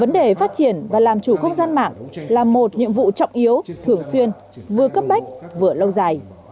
vấn đề phát triển và làm chủ không gian mạng là một nhiệm vụ trọng yếu thường xuyên vừa cấp bách vừa lâu dài